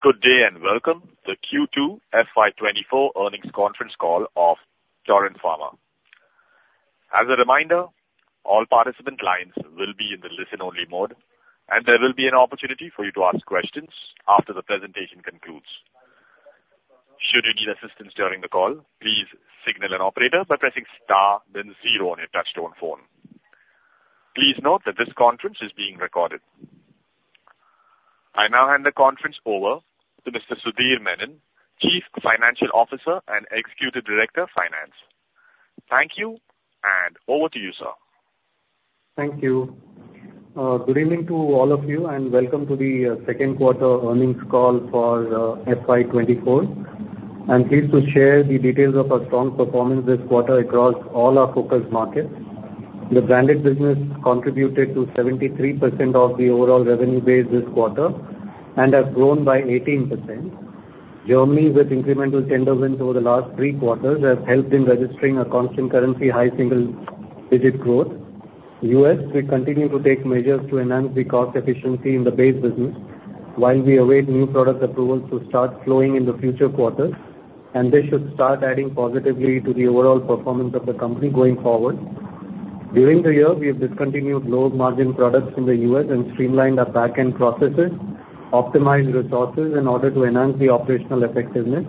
Good day, and Welcome to the Q2 FY 2024 earnings conference call of Torrent Pharma. As a reminder, all participant lines will be in the listen-only mode, and there will be an opportunity for you to ask questions after the presentation concludes. Should you need assistance during the call, please signal an operator by pressing star then zero on your touchtone phone. Please note that this conference is being recorded. I now hand the conference over to Mr. Sudhir Menon, Chief Financial Officer and Executive Director of Finance. Thank you, and over to you, sir. Thank you. Good evening to all of you, and welcome to the second quarter earnings call for FY 2024. I'm pleased to share the details of our strong performance this quarter across all our focus markets. The branded business contributed to 73% of the overall revenue base this quarter and has grown by 18%. Germany, with incremental tender wins over the last three quarters, has helped in registering a constant currency high single-digit growth. U.S., we continue to take measures to enhance the cost efficiency in the base business, while we await new product approvals to start flowing in the future quarters, and this should start adding positively to the overall performance of the company going forward. During the year, we have discontinued low-margin products in the U.S. and streamlined our back-end processes, optimized resources in order to enhance the operational effectiveness.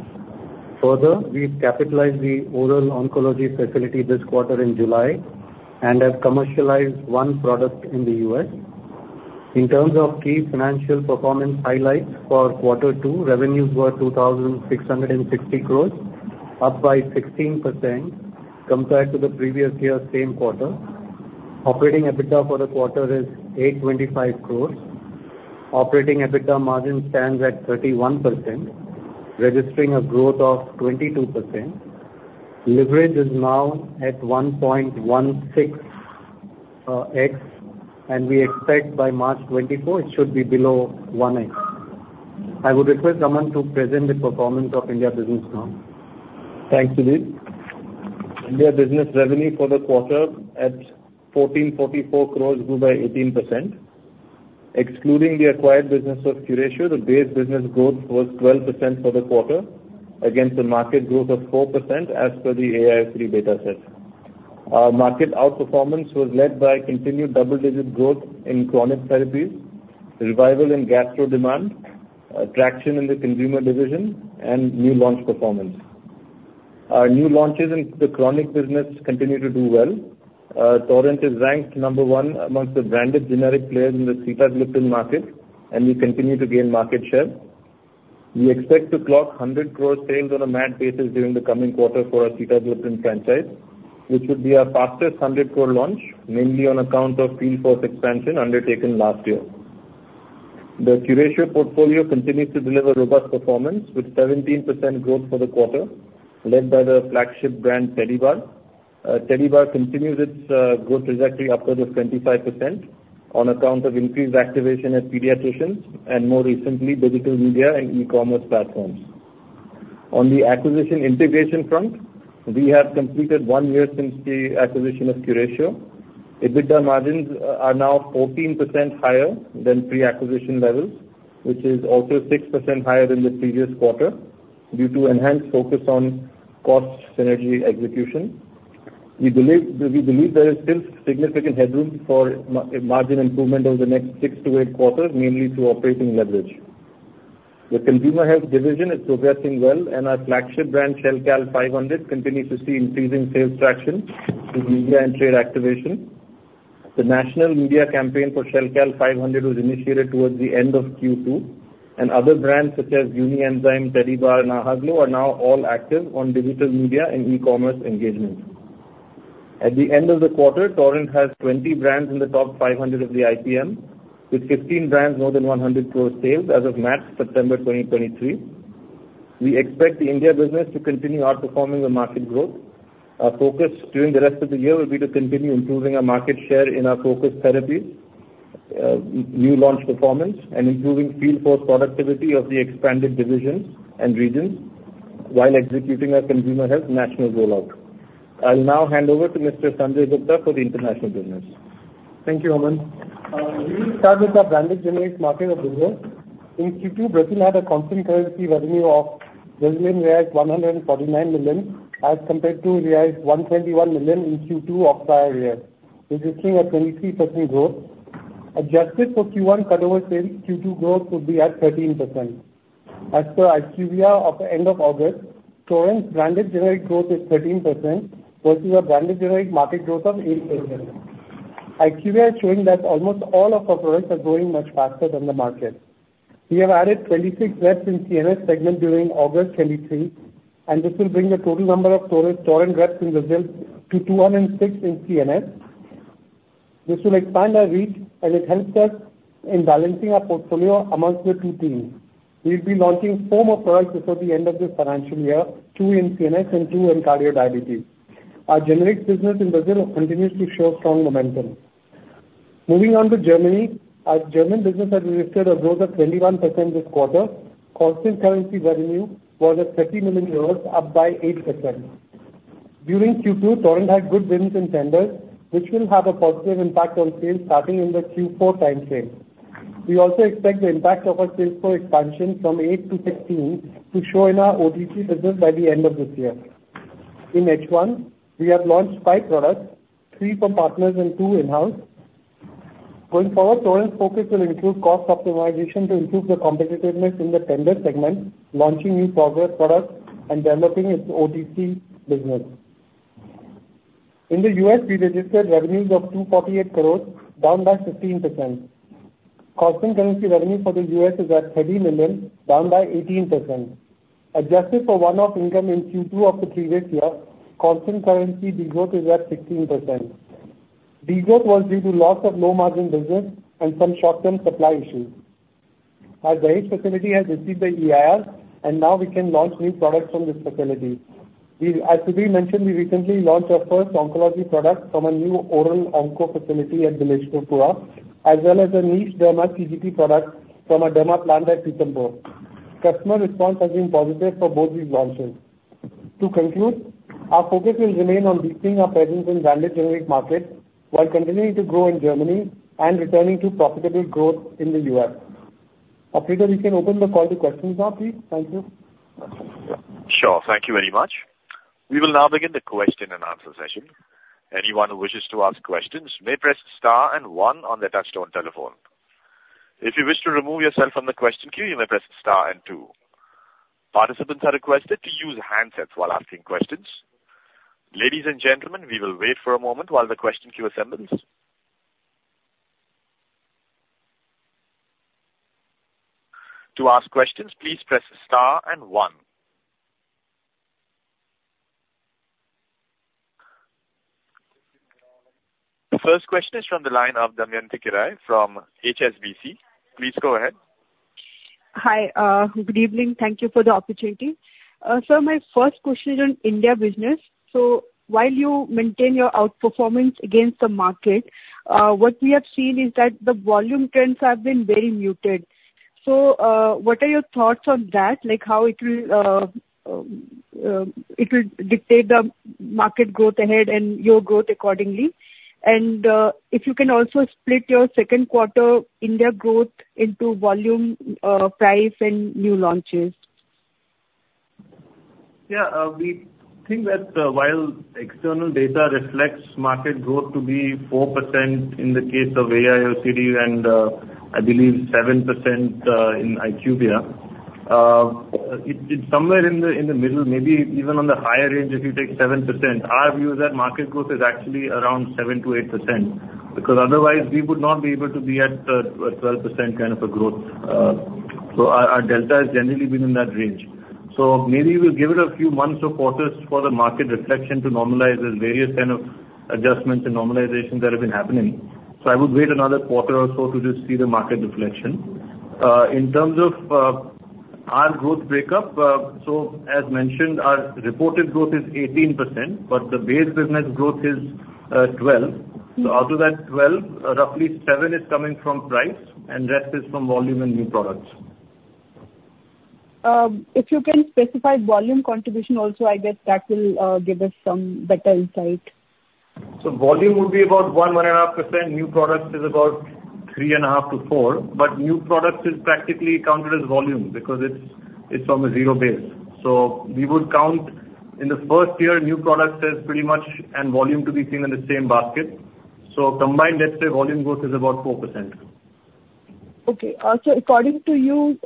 Further, we've capitalized the oral oncology facility this quarter in July and have commercialized one product in the U.S. In terms of key financial performance highlights for quarter two, revenues were 2,660 crores, up by 16% compared to the previous year's same quarter. Operating EBITDA for the quarter is 825 crores. Operating EBITDA margin stands at 31%, registering a growth of 22%. Leverage is now at 1.16x, and we expect by March 2024, it should be below 1x. I would request Aman to present the performance of India business now. Thanks, Sudhir. India business revenue for the quarter at 1,444 crore, grew by 18%. Excluding the acquired business of Curatio, the base business growth was 12% for the quarter, against a market growth of 4% as per the AIOCD data set. Our market outperformance was led by continued double-digit growth in chronic therapies, revival in gastro demand, traction in the consumer division, and new launch performance. Our new launches in the chronic business continue to do well. Torrent is ranked number one amongst the branded generic players in the sitagliptin market, and we continue to gain market share. We expect to clock 100 crore sales on a MAT basis during the coming quarter for our sitagliptin franchise, which would be our fastest 100 crore launch, mainly on account of field force expansion undertaken last year. The Curatio portfolio continues to deliver robust performance, with 17% growth for the quarter, led by the flagship brand Tedibar. Tedibar continues its growth trajectory upward of 25% on account of increased activation at pediatricians and more recently, digital media and e-commerce platforms. On the acquisition integration front, we have completed one year since the acquisition of Curatio. EBITDA margins are now 14% higher than pre-acquisition levels, which is also 6% higher than the previous quarter due to enhanced focus on cost synergy execution. We believe, we believe there is still significant headroom for margin improvement over the next 6-8 quarters, mainly through operating leverage. The consumer health division is progressing well, and our flagship brand, Shelcal500, continues to see increasing sales traction through media and trade activation. The national media campaign for Shelcal500 was initiated towards the end of Q2, and other brands such as UNIENZYME, Tedibar, and Ahaglow are now all active on digital media and e-commerce engagement. At the end of the quarter, Torrent has 20 brands in the top 500 of the IPM, with 15 brands more than 100 crore sales as of MAT September 2023. We expect the India business to continue outperforming the market growth. Our focus during the rest of the year will be to continue improving our market share in our focus therapies, new launch performance, and improving field force productivity of the expanded divisions and regions, while executing our consumer health national rollout. I'll now hand over to Mr. Sanjay Gupta for the international business. Thank you, Aman. We will start with our branded generics market of Brazil. In Q2, Brazil had a constant currency revenue of BRL 149 million, as compared to BRL 121 million in Q2 of prior year, registering a 23% growth. Adjusted for Q1 cutover sales, Q2 growth would be at 13%. As per IQVIA of the end of August, Torrent's Branded generic growth is 13% versus a branded generic market growth of 8%. IQVIA is showing that almost all of our products are growing much faster than the market. We have added 26 reps in CNS segment during August 2023, and this will bring the total number of Torrent reps in Brazil to 206 in CNS. This will expand our reach, and it helps us in balancing our portfolio amongst the two teams. We'll be launching four more products before the end of this financial year, two in CNS and two in cardio diabetes. Our Generics business in Brazil continues to show strong momentum. Moving on to Germany. Our German business has registered a growth of 21% this quarter. Constant currency revenue was at 30 million euros, up by 8%. During Q2, Torrent had good wins in tenders, which will have a positive impact on sales starting in the Q4 timeframe. We also expect the impact of our sales force expansion from eight to 15 to show in our OTC business by the end of this year. In H1, we have launched five products, three from partners and two in-house. Going forward, Torrent's focus will include cost optimization to improve the competitiveness in the tender segment, launching new progress products, and developing its OTC business. In the U.S., we registered revenues of 248 crores, down by 15%. Constant currency revenue for the U.S. is at $30 million, down by 18%. Adjusted for one-off income in Q2 of the previous year, constant currency de-growth is at 16%. De-growth was due to loss of low-margin business and some short-term supply issues. Our Dahej facility has received the EIR, and now we can launch new products from this facility. As Sudhir mentioned, we recently launched our first oncology product from a new oral onco facility at Bileshwarpura, as well as a niche derma CGT product from our derma plant at Pithampur. Customer response has been positive for both these launches. To conclude, our focus will remain on deepening our presence in value generic markets, while continuing to grow in Germany and returning to profitable growth in the U.S. Operator, we can open the call to questions now, please. Thank you. Sure. Thank you very much. We will now begin the question and answer session. Anyone who wishes to ask questions may press star and one on their touch-tone telephone. If you wish to remove yourself from the question queue, you may press star and two. Participants are requested to use handsets while asking questions. Ladies and gentlemen, we will wait for a moment while the question queue assembles. To ask questions, please press star and one. The first question is from the line of Damayanti Kerai from HSBC. Please go ahead. Hi, good evening. Thank you for the opportunity. So my first question is on India business. So while you maintain your outperformance against the market, what we have seen is that the volume trends have been very muted. So, what are your thoughts on that? Like, how it will dictate the market growth ahead and your growth accordingly, and if you can also split your second quarter India growth into volume, price, and new launches. Yeah, we think that, while external data reflects market growth to be 4% in the case of AIOCD and, I believe 7%, in IQVIA, it, it's somewhere in the, in the middle, maybe even on the higher range, if you take 7%. Our view is that market growth is actually around 7%-8%, because otherwise we would not be able to be at, a 12% kind of a growth. So our, our delta has generally been in that range. So maybe we'll give it a few months or quarters for the market reflection to normalize the various kind of adjustments and normalizations that have been happening. So I would wait another quarter or so to just see the market reflection. In terms of our growth break-up, so as mentioned, our reported growth is 18%, but the base business growth is 12%. Mm-hmm. So out of that 12%, roughly 7% is coming from price, and rest is from volume and new products. If you can specify volume contribution also, I guess that will give us some better insight. So volume would be about 1%-1.5%. New products is about 3.5%-4%, but new products is practically counted as volume because it's, it's from a zero base. So we would count... In the first year, new products is pretty much and volume to be seen in the same basket. So combined, let's say, volume growth is about 4%. Okay. So according to you,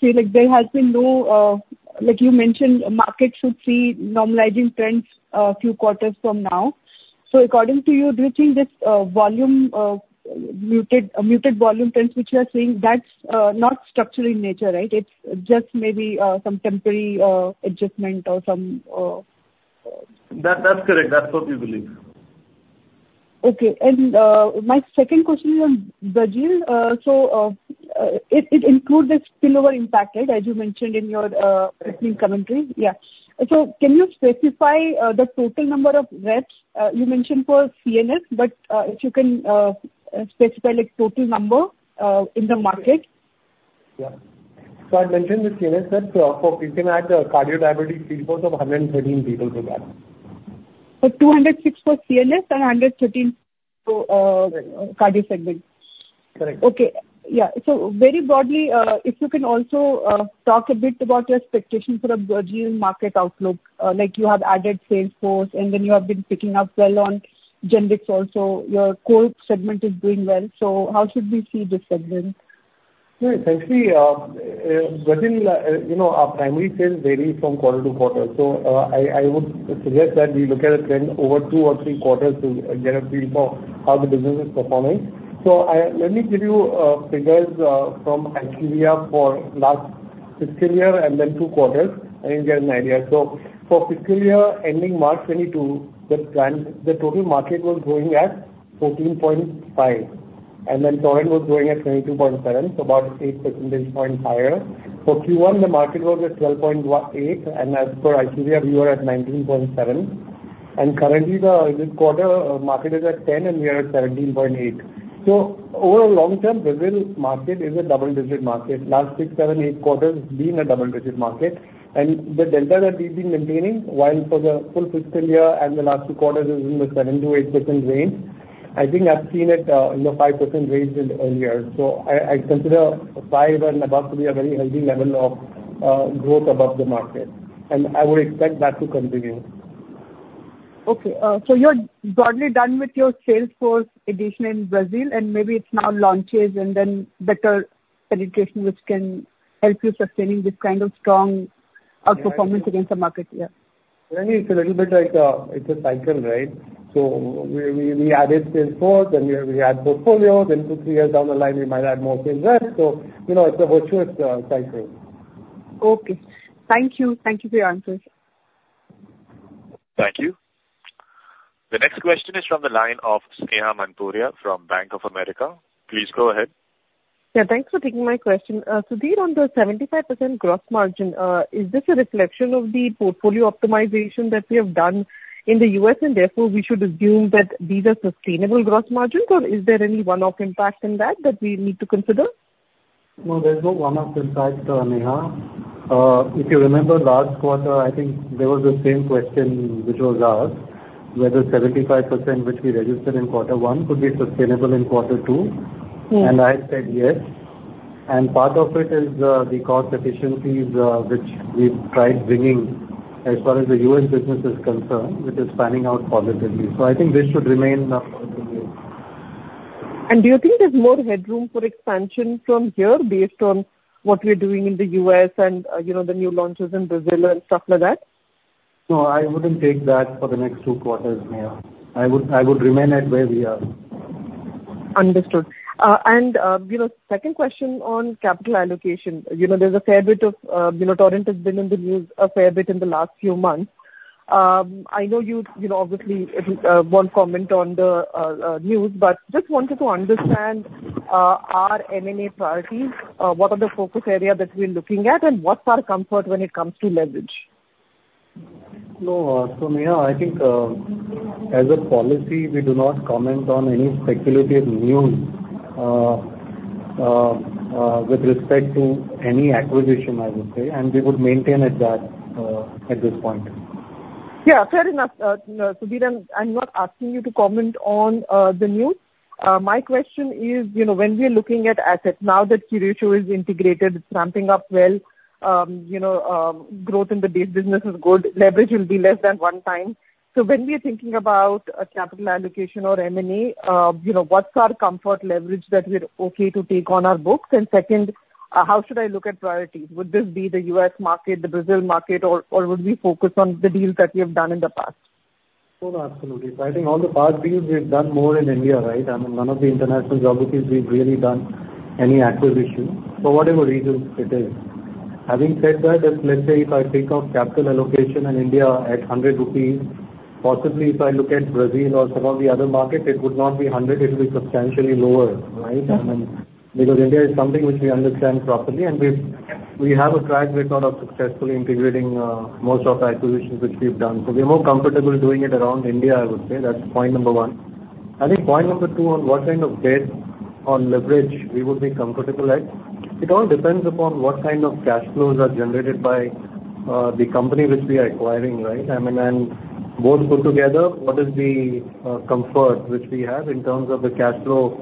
say, like, there has been no, like you mentioned, market should see normalizing trends a few quarters from now. So according to you, do you think this, volume, muted, muted volume trends, which you are seeing, that's, not structural in nature, right? It's just maybe, some temporary, adjustment or some, That, that's correct. That's what we believe. Okay. And, my second question is on Brazil. So, it includes the spillover impact, right, as you mentioned in your recent commentary? Yeah. So can you specify the total number of reps you mentioned for CNS, but if you can specify, like, total number in the market? Yeah. So I mentioned the CNS reps. You can add cardio diabetes people, so 113 people to that. So 206 for CNS and 113 for cardio segment. Correct. Okay. Yeah. So very broadly, if you can also, talk a bit about your expectations for the Brazil market outlook. Like you have added sales force, and then you have been picking up well on generics also. Your core segment is doing well, so how should we see this segment? Yeah, thanks. Brazil, you know, our primary sales vary from quarter to quarter, so I would suggest that we look at a trend over two or three quarters to get a feel for how the business is performing. Let me give you figures from IQVIA for last fiscal year and then two quarters, and you get an idea. For fiscal year ending March 2022, the total market was growing at 14.5%, and then Torrent was growing at 22.7%, so about 8 percentage points higher. For Q1, the market was at 12.18%, and as per IQVIA, we were at 19.7%. Currently, the quarter market is at 10%, and we are at 17.8%. So over long term, Brazil market is a double-digit market. Last six, seven, eight quarters, been a double-digit market, and the delta that we've been maintaining while for the full fiscal year and the last two quarters is in the 7%-8% range. I think I've seen it in the 5% range in earlier. So I consider 5% and above to be a very healthy level of growth above the market, and I would expect that to continue. Okay, so you're broadly done with your sales force addition in Brazil, and maybe it's now launches and then better penetration, which can help you sustaining this kind of strong performance against the market? Yeah. Then it's a little bit like, it's a cycle, right? So we added sales force, then we add portfolio. Then two, three years down the line, we might add more sales rep. So, you know, it's a virtuous cycle. Okay. Thank you. Thank you for your answers. Thank you. The next question is from the line of Neha Manpuria from Bank of America. Please go ahead. Yeah, thanks for taking my question. Sudhir, on the 75% gross margin, is this a reflection of the portfolio optimization that we have done in the U.S., and therefore, we should assume that these are sustainable gross margins, or is there any one-off impact in that, that we need to consider? No, there's no one-off impact, Neha. If you remember last quarter, I think there was the same question which was asked, whether 75%, which we registered in quarter one, could be sustainable in quarter two. Mm-hmm. And I said yes, and part of it is, the cost efficiencies, which we've tried bringing as far as the U.S. business is concerned, which is panning out positively. So I think this should remain going forward. Do you think there's more headroom for expansion from here based on what we're doing in the U.S. and, you know, the new launches in Brazil and stuff like that? No, I wouldn't take that for the next two quarters, Neha. I would, I would remain at where we are. Understood. And, you know, second question on capital allocation. You know, there's a fair bit of, you know, Torrent has been in the news a fair bit in the last few months. I know you, you know, obviously, won't comment on the, news, but just wanted to understand, our M&A priorities. What are the focus area that we're looking at, and what's our comfort when it comes to leverage? No, so Neha, I think, as a policy, we do not comment on any speculative news with respect to any acquisition, I would say, and we would maintain at that at this point. Yeah, fair enough. Sudhir, I'm, I'm not asking you to comment on the news. My question is, you know, when we are looking at assets, now that Curatio is integrated, it's ramping up well, you know, growth in the base business is good. Leverage will be less than 1x. So when we are thinking about a capital allocation or M&A, you know, what's our comfort leverage that we're okay to take on our books? And second, how should I look at priorities? Would this be the U.S. market, the Brazil market, or would we focus on the deals that we have done in the past? No, absolutely. So I think all the past deals we've done more in India, right? I mean, none of the international geographies we've really done any acquisition, for whatever reason it is. Having said that, if, let's say, if I think of capital allocation in India at 100 rupees, possibly if I look at Brazil or some of the other markets, it would not be 100, it will be substantially lower, right? Mm-hmm. I mean, because India is something which we understand properly, and we've a track record of successfully integrating most of the acquisitions which we've done. So we're more comfortable doing it around India, I would say. That's point number one. I think point number two on what kind of debt or leverage we would be comfortable at, it all depends upon what kind of cash flows are generated by the company which we are acquiring, right? I mean, and both put together, what is the comfort which we have in terms of the cash flow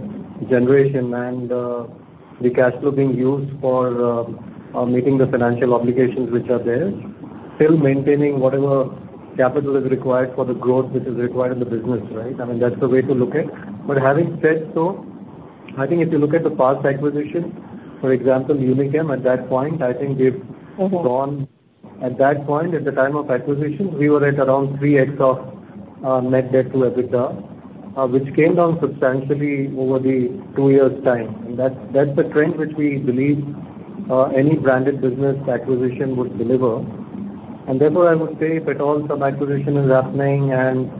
generation and the cash flow being used for meeting the financial obligations which are there, still maintaining whatever capital is required for the growth which is required in the business, right? I mean, that's the way to look at- But having said so, I think if you look at the past acquisitions, for example, Unichem, at that point, I think we've- Mm-hmm... gone, at that point, at the time of acquisition, we were at around 3x of net debt to EBITDA, which came down substantially over the two years' time. And that's the trend which we believe any branded business acquisition would deliver. And therefore, I would say if at all some acquisition is happening and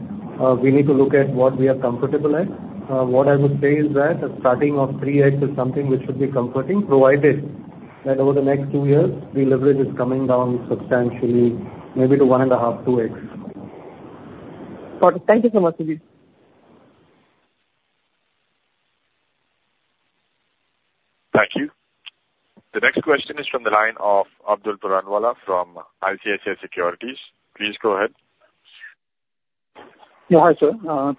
we need to look at what we are comfortable at, what I would say is that a starting of 3x is something which should be comforting, provided that over the next two years, the leverage is coming down substantially, maybe to 1.5x-2x. Got it. Thank you so much, Sudhir. Thank you. The next question is from the line of Abdul Puranwala from ICICI Securities. Please go ahead. Yeah, hi, sir.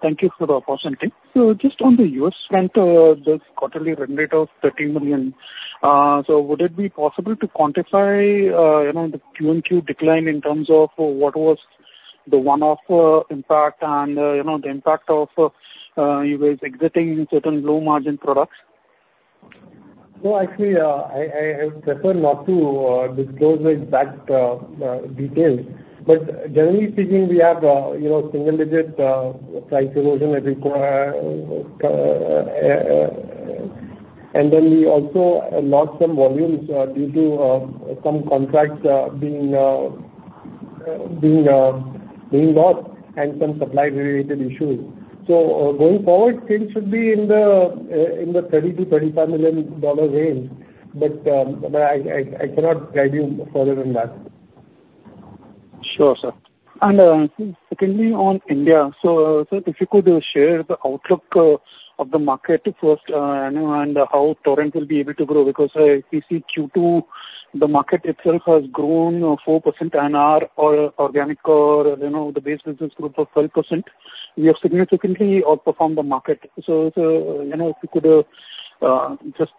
Thank you for the opportunity. So just on the U.S. front, this quarterly revenue of $30 million, so would it be possible to quantify, you know, the Q and Q decline in terms of what was the one-off impact and, you know, the impact of you guys exiting certain low-margin products? No, actually, I would prefer not to disclose it that detailed. But generally speaking, we have, you know, single-digit price erosion as required. And then we also lost some volumes due to some contracts being lost and some supply-related issues. So, going forward, things should be in the $30 million-$35 million range, but I cannot guide you further than that. Sure, sir. And, secondly, on India. So, if you could share the outlook of the market first, and how Torrent will be able to grow, because we see Q2, the market itself has grown 4% and our organic or, you know, the base business group of 12%. We have significantly outperformed the market. So, you know, if you could just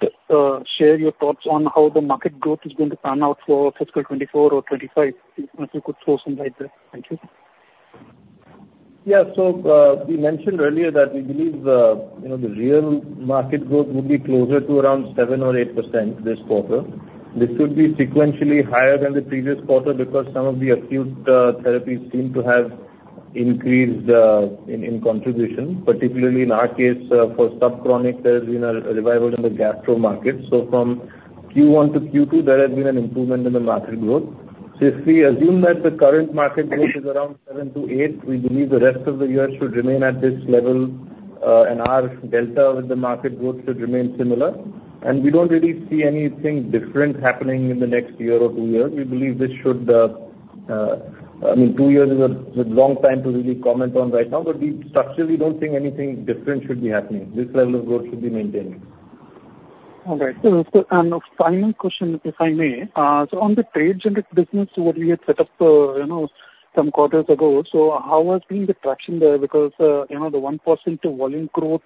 share your thoughts on how the market growth is going to pan out for fiscal 2024 or 2025, if you could throw some light there. Thank you. Yeah. So, we mentioned earlier that we believe, you know, the real market growth would be closer to around 7% or 8% this quarter. This should be sequentially higher than the previous quarter because some of the acute therapies seem to have increased in contribution, particularly in our case, for subchronic, there's been a revival in the gastro market. So from Q1 to Q2, there has been an improvement in the market growth. So if we assume that the current market growth is around 7%-8%, we believe the rest of the year should remain at this level, and our delta with the market growth should remain similar. And we don't really see anything different happening in the next year or two years. We believe this should, I mean, two years is a long time to really comment on right now, but we structurally don't think anything different should be happening. This level of growth should be maintained. All right. So, so and final question, if I may. So on the trade generic business what we had set up, you know, some quarters ago, so how has been the traction there? Because, you know, the 1% volume growth,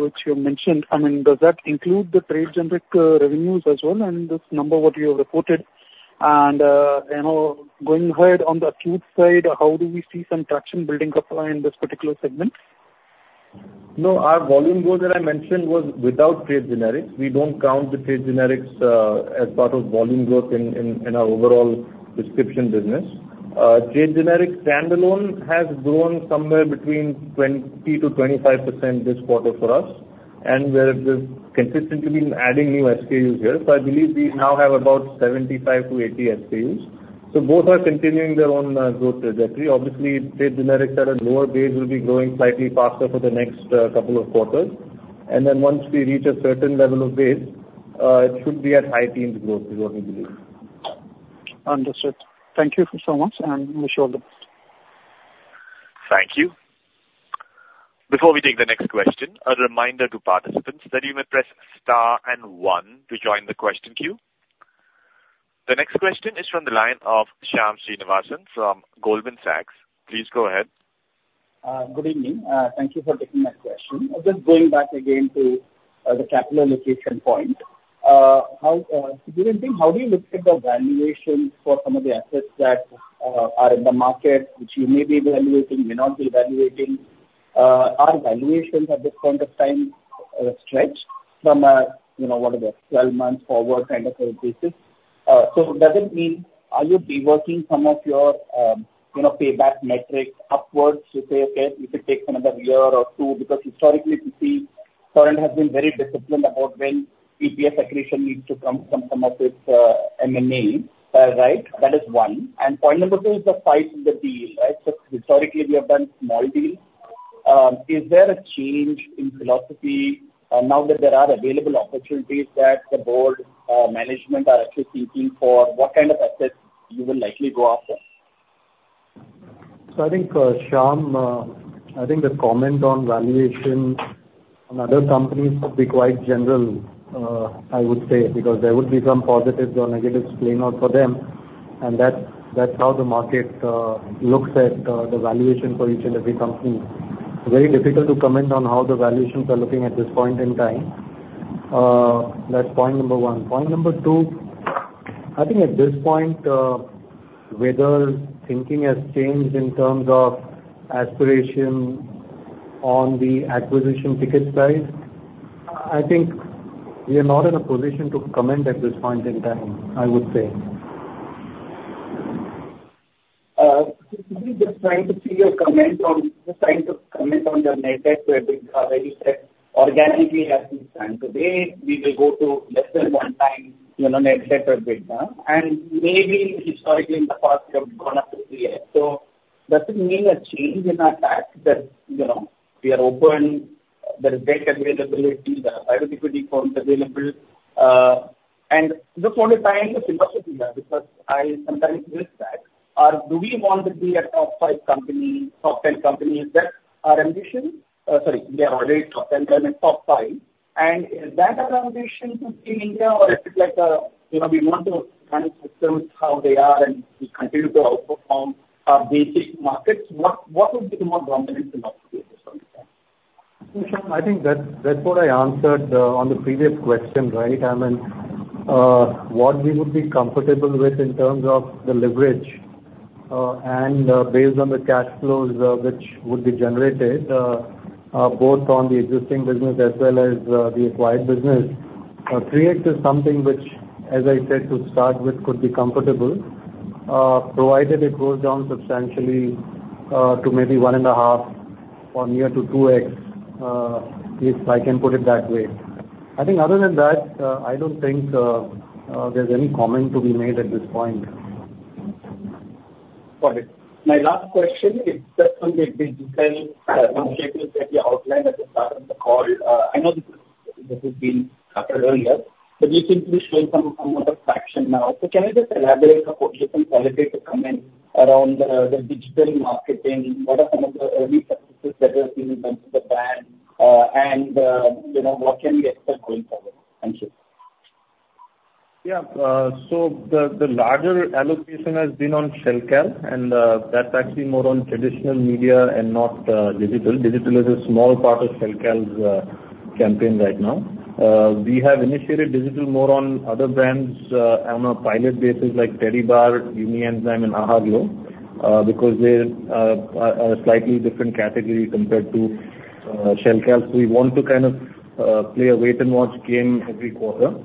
which you mentioned, I mean, does that include the trade-generic revenues as well, and this number, what you have reported? And, you know, going ahead on the acute side, how do we see some traction building up, in this particular segment? No, our volume growth that I mentioned was without trade generics. We don't count the trade generics as part of volume growth in our overall prescription business. Trade generics standalone has grown somewhere between 20%-25% this quarter for us, and we're just consistently adding new SKUs here. So I believe we now have about 75-80 SKUs. So both are continuing their own growth trajectory. Obviously, trade generics at a lower base will be growing slightly faster for the next couple of quarters. And then once we reach a certain level of base, it should be at high teens growth is what we believe. Understood. Thank you so much, and wish you all the best. Thank you. Before we take the next question, a reminder to participants that you may press star and one to join the question queue. The next question is from the line of Shyam Srinivasan from Goldman Sachs. Please go ahead. Good evening. Thank you for taking my question. Just going back again to the capital allocation point. How do you think, how do you look at the valuations for some of the assets that are in the market, which you may be evaluating, may not be evaluating? Are valuations at this point of time stretched from a, you know, what are the 12 months forward kind of a basis? So does it mean are you reworking some of your, you know, payback metrics upwards to say, "Okay, it could take another year or two?" Because historically, we see Torrent has been very disciplined about when EPS accretion needs to come from some of its M&A. Right, that is one. And point number two is the size of the deal, right? So historically, we have done small deals. Is there a change in philosophy now that there are available opportunities that the board, management are actually seeking for? What kind of assets you will likely go after? So I think, Shyam, I think the comment on valuation on other companies would be quite general, I would say, because there would be some positives or negatives playing out for them, and that's, that's how the market looks at the valuation for each and every company. Very difficult to comment on how the valuations are looking at this point in time. That's point number one. Point number two, I think at this point, whether thinking has changed in terms of aspiration on the acquisition ticket size, I think we are not in a position to comment at this point in time, I would say. Just trying to see your comment on, just trying to comment on your net debt where you said, organically has been done. Today, we will go to less than 1x, you know, net debt to EBITDA, and maybe historically in the past, you have gone up to 3x. Does it mean a change in our fact that, you know, we are open, there is debt availability, the high liquidity funds available, and just want to tie in the philosophy there, because I sometimes miss that. Do we want to be a top five company, top ten company? Is that our ambition? Sorry, we are already top ten, top five. Is that our ambition in India, or is it like, you know, we want to kind of systems how they are and we continue to outperform our basic markets? What would be the more dominant philosophy there? Shyam, I think that's what I answered on the previous question, right? I mean, what we would be comfortable with in terms of the leverage, and based on the cash flows, which would be generated, both on the existing business as well as the acquired business. 3x is something which, as I said, to start with, could be comfortable, provided it goes down substantially to maybe 1.5x or near to 2x, if I can put it that way. I think other than that, I don't think there's any comment to be made at this point. Got it. My last question is just on the business side, which you said you outlined at the start of the call. I know this has been covered earlier, but you seem to be showing some of the traction now. So can you just elaborate a little bit on quality to come in around the digital marketing? What are some of the early successes that you have seen with the brand, and, you know, what can we expect going forward? Thank you. Yeah. So the larger allocation has been on Shelcal, and that's actually more on traditional media and not digital. Digital is a small part of Shelcal's campaign right now. We have initiated digital more on other brands on a pilot basis like Tedibar, UNIENZYME, and Ahaglow because they're a slightly different category compared to Shelcal. So we want to kind of play a wait and watch game every quarter.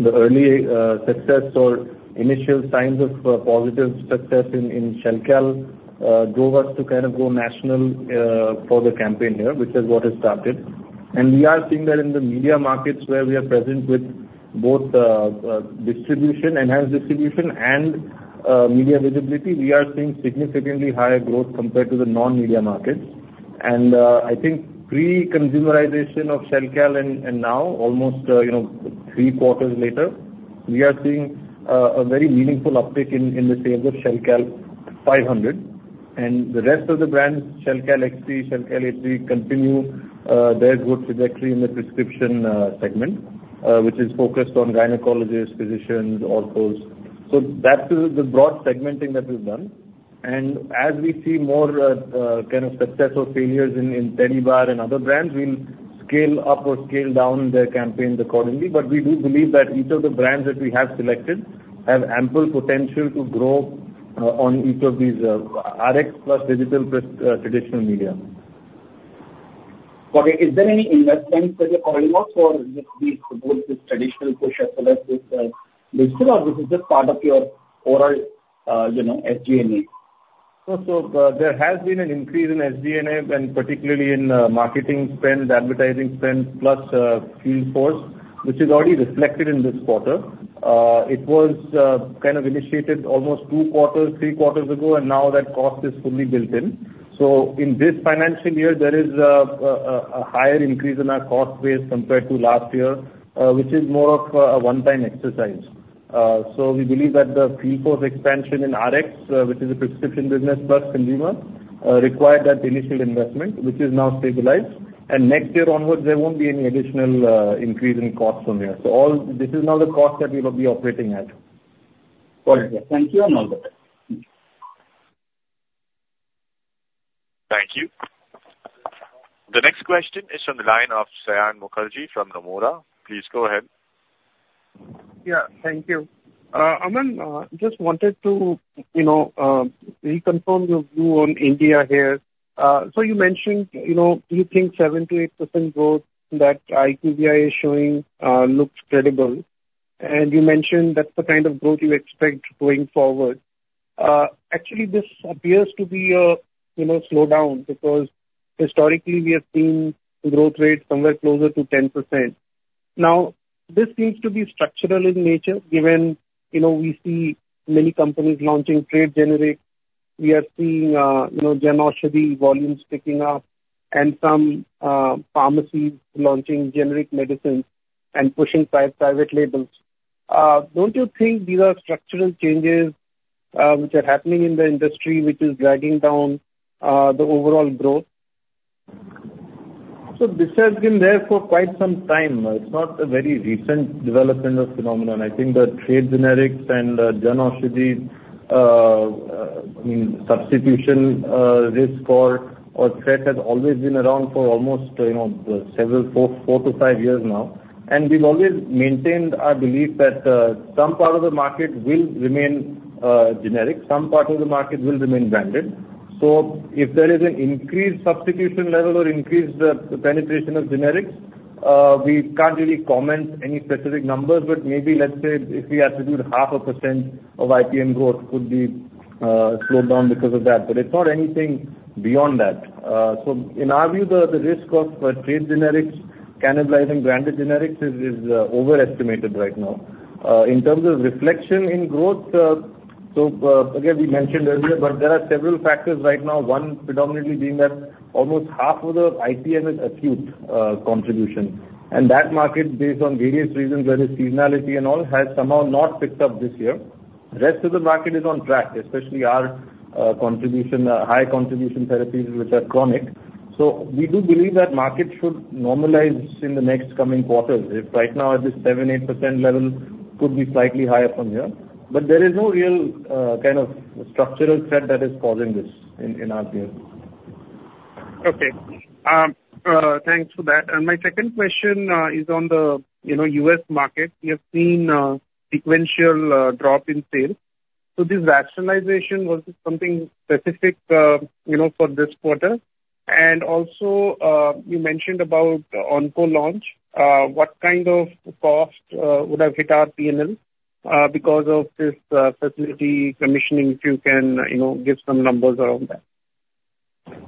The early success or initial signs of positive success in Shelcal drove us to kind of go national for the campaign here, which is what has started. And we are seeing that in the media markets where we are present with both distribution, enhanced distribution and media visibility, we are seeing significantly higher growth compared to the non-media markets. And, I think pre-consumerization of Shelcal and now almost, you know, three quarters later, we are seeing a very meaningful uptick in the sales of Shelcal500. And the rest of the brands, Shelcal XT, Shelcal HD, continue their good trajectory in the prescription segment, which is focused on gynecologists, physicians, orthos. So that is the broad segmenting that is done. And as we see more kind of success or failures in Tedibar and other brands, we'll scale up or scale down their campaigns accordingly. But we do believe that each of the brands that we have selected have ample potential to grow on each of these, Rx plus digital plus traditional media. Got it. Is there any investments that you're calling out for this, the, both this traditional push as well as this, digital, or this is just part of your overall, you know, SG&A? There has been an increase in SG&A, and particularly in marketing spend, advertising spend, plus field force, which is already reflected in this quarter. It was kind of initiated almost two quarters, three quarters ago, and now that cost is fully built in. So in this financial year, there is a higher increase in our cost base compared to last year, which is more of a one-time exercise. So we believe that the field force expansion in Rx, which is a Prescription business plus Consumer, required that initial investment, which is now stabilized. And next year onwards, there won't be any additional increase in costs from there. So this is now the cost that we will be operating at. Got it. Thank you, and all the best. Thank you. The next question is from the line of Saion Mukherjee from Nomura. Please go ahead. Yeah, thank you. Aman, just wanted to, you know, reconfirm your view on India here. So you mentioned, you know, you think 7%-8% growth that IQVIA is showing looks credible. You mentioned that's the kind of growth you expect going forward. Actually, this appears to be a you know, slowdown, because historically we have seen growth rate somewhere closer to 10%. Now, this seems to be structural in nature, given, you know, we see many companies launching trade generics. We are seeing, you know, Jan Aushadhi volumes picking up and some pharmacies launching generic medicines and pushing private labels. Don't you think these are structural changes, which are happening in the industry, which is dragging down the overall growth? So this has been there for quite some time. It's not a very recent development or phenomenon. I think the trade generics and Jan Aushadhi, I mean, substitution risk or threat has always been around for almost, you know, several 4-5 years now. And we've always maintained our belief that some part of the market will remain generic, some part of the market will remain branded. So if there is an increased substitution level or increased penetration of generics, we can't really comment any specific numbers, but maybe, let's say, if we attribute 0.5% of IPM growth could be slowed down because of that, but it's not anything beyond that. So in our view, the risk of trade generics cannibalizing branded generics is overestimated right now. In terms of reflection in growth, so, again, we mentioned earlier, but there are several factors right now, one predominantly being that almost half of the IPM is acute contribution. And that market, based on various reasons, whether it's seasonality and all, has somehow not picked up this year. The rest of the market is on track, especially our contribution, high contribution therapies, which are chronic. So we do believe that market should normalize in the next coming quarters. If right now at this 7%-8% level, could be slightly higher from here, but there is no real kind of structural threat that is causing this in our view. Okay. Thanks for that. And my second question is on the, you know, U.S. market. We have seen a sequential drop in sales. So this rationalization, was this something specific, you know, for this quarter? And also, you mentioned about onco launch. What kind of cost would have hit our P&L because of this facility commissioning, if you can, you know, give some numbers around that?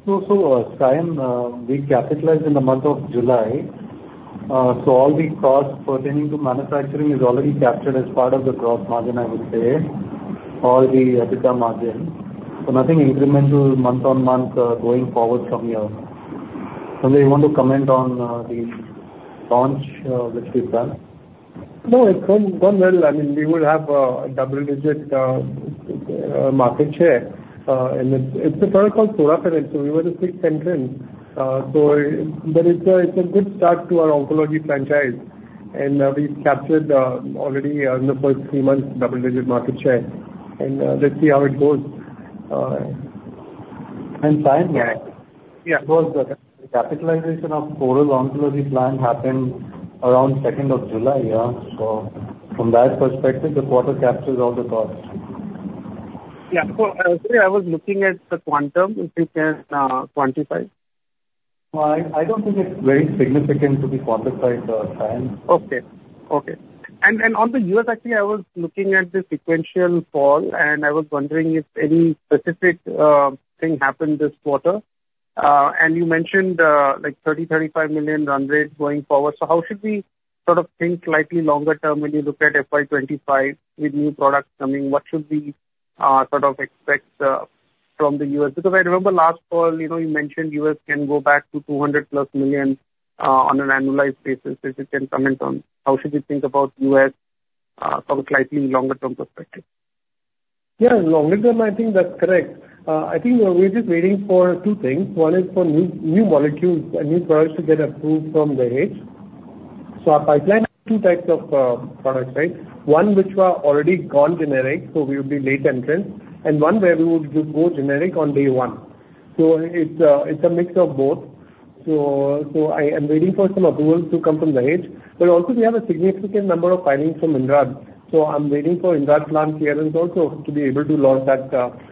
So, Saion, we capitalized in the month of July. So all the costs pertaining to manufacturing is already captured as part of the gross margin, I would say or the EBITDA margin. So nothing incremental month-on-month, going forward from here. Sanjay, you want to comment on the launch, which we've done? No, it's gone, gone well. I mean, we would have a double-digit market share, and it's a product called sorafenib, so we were the sixth entrant. So but it's a, it's a good start to our oncology franchise, and we've captured already in the first three months, double-digit market share, and let's see how it goes. And time. Yeah. Because the capitalization of total oncology plan happened around 2 July, yeah? From that perspective, the quarter captures all the costs. Yeah. So I was looking at the quantum, if you can quantify. Well, I don't think it's very significant to be quantified, Sai. Okay. Okay. On the U.S., actually, I was looking at the sequential fall, and I was wondering if any specific thing happened this quarter. You mentioned like $30 million-$35 million run rate going forward. So how should we sort of think slightly longer term when you look at FY 2025 with new products coming, what should we sort of expect from the U.S.? Because I remember last call, you know, you mentioned U.S. can go back to $200+ million on an annualized basis. If you can comment on how should we think about U.S. from a slightly longer term perspective. Yeah, longer term, I think that's correct. I think we're just waiting for two things. One is for new molecules and new products to get approved from the Dahej. So our pipeline has two types of products, right? One which were already gone generic, so we would be late entrants, and one where we would go generic on day one. So it's a mix of both. So I am waiting for some approvals to come from the Dahej, but also we have a significant number of filings from Indrad. So I'm waiting for Indrad plant clearance also to be able to launch that.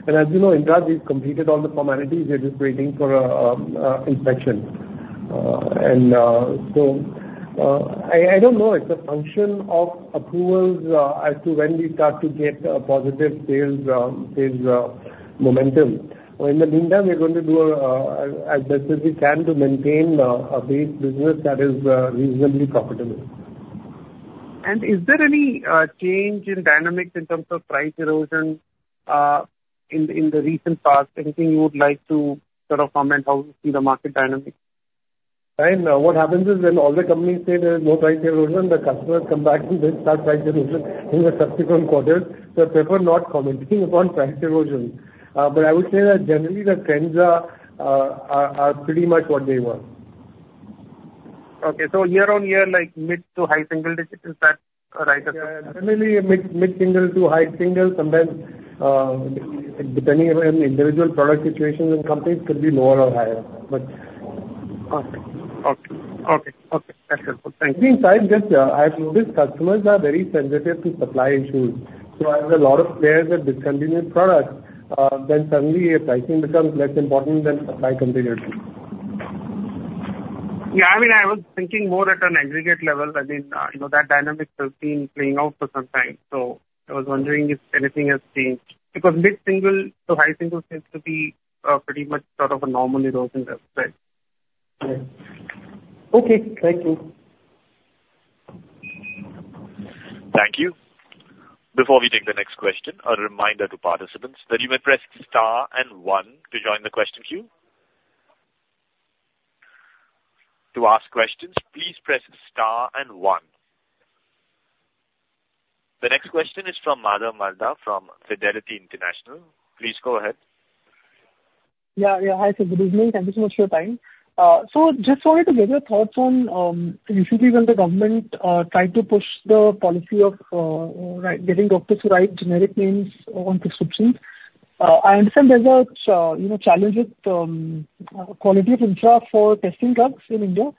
And as you know, Indrad, we've completed all the formalities. We're just waiting for inspection. And so I don't know. It's a function of approvals as to when we start to get a positive sales momentum. In the meantime, we're going to do as best as we can to maintain a base business that is reasonably profitable. Is there any change in dynamics in terms of price erosion in the recent past? Anything you would like to sort of comment how you see the market dynamic? Sai, what happens is, when all the companies say there's no price erosion, the customers come back and they start price erosion in the subsequent quarters. So I prefer not commenting on price erosion. But I would say that generally the trends are pretty much what they were. Okay. So year on year, like mid to high single digit, is that right? Yeah. Generally, a mid, mid single to high single, sometimes, depending on individual product situations and companies could be lower or higher, but- Okay. Okay. Okay, okay. That's it. Thank you. Meanwhile, just, I've noticed customers are very sensitive to supply issues. So as a lot of players are discontinuing products, then suddenly pricing becomes less important than supply continuity. Yeah, I mean, I was thinking more at an aggregate level. I mean, you know, that dynamic has been playing out for some time, so I was wondering if anything has changed. Because mid-single to high-single seems to be, pretty much sort of a normal erosion aspect. Right. Okay, thank you. Thank you. Before we take the next question, a reminder to participants that you may press star and one to join the question queue. To ask questions, please press star and one. The next question is from Madhav Marda, from Fidelity International. Please go ahead. Yeah, yeah. Hi, sir, good evening. Thank you so much for your time. So just wanted to get your thoughts on, recently when the government tried to push the policy of, right, getting doctors to write generic names on prescriptions. I understand there's a, you know, challenge with quality of infra for testing drugs in India.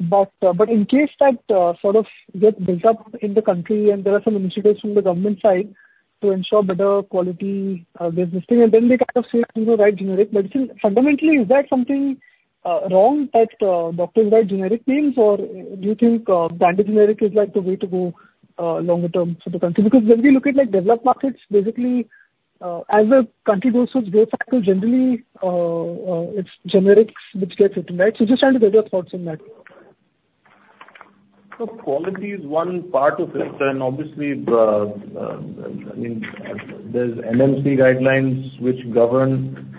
But in case that sort of get built up in the country and there are some initiatives from the government side to ensure better quality, business thing, and then they kind of say, you know, write generic medicine. Fundamentally, is that something wrong, that doctors write generic names, or do you think branded generic is, like, the way to go, longer term for the country? Because when we look at, like, developed markets, basically, as the country goes with growth factor, generally, it's generics which gets it in, right? So just trying to get your thoughts on that. So quality is one part of it, and obviously, the, I mean, there's NMC guidelines which govern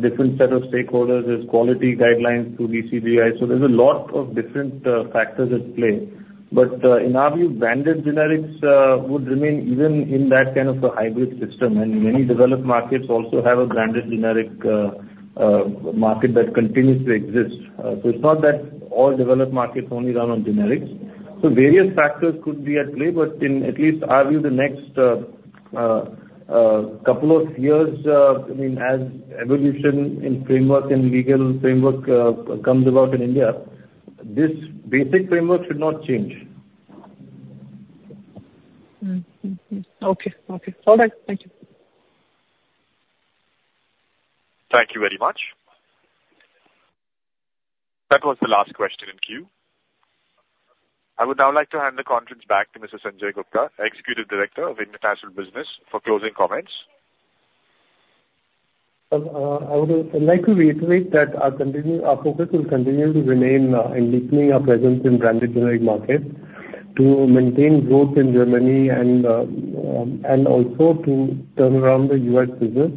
different set of stakeholders. There's quality guidelines through DCGI. So there's a lot of different factors at play. But in our view, branded generics would remain even in that kind of a hybrid system, and many developed markets also have a branded generic market that continues to exist. So it's not that all developed markets only run on generics. So various factors could be at play, but in at least our view, the next couple of years, I mean, as evolution in framework and legal framework comes about in India, this basic framework should not change. Mm-hmm, mm-hmm. Okay, okay. All right. Thank you. Thank you very much. That was the last question in queue. I would now like to hand the conference back to Mr. Sanjay Gupta, Executive Director of International Business, for closing comments. I would, I'd like to reiterate that our focus will continue to remain in deepening our presence in branded generic markets, to maintain growth in Germany and also to turn around the U.S. business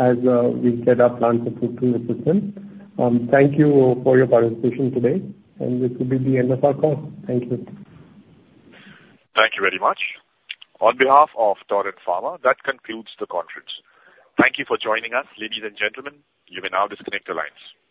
as we set our plans to put through the system. Thank you for your participation today, and this will be the end of our call. Thank you. Thank you very much. On behalf of Torrent Pharma, that concludes the conference. Thank you for joining us, ladies and gentlemen. You may now disconnect your lines.